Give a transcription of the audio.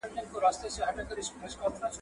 ښځې په خپلو زړو جامو کې د غریبۍ درد پټ کړی و.